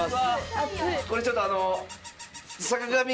これちょっとあの。